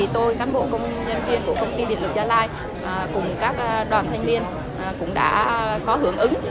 tôi cán bộ công nhân viên của công ty điện lực gia lai cùng các đoàn thanh niên cũng đã có hưởng ứng